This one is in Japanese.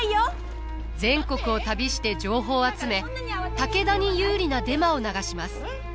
全国を旅して情報を集め武田に有利なデマを流します。